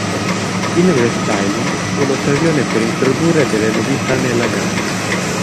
Il restyling fu l'occasione per introdurre delle novità nella gamma.